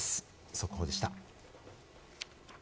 速報でした。